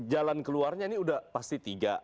jalan keluarnya ini udah pasti tiga